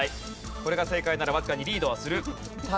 これが正解ならわずかにリードする。